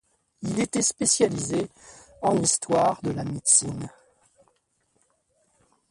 Il était spécialisé en histoire de la médecine.